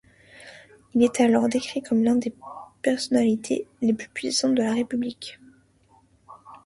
Il est alors décrit comme l'une des personnalités les plus puissantes de la République.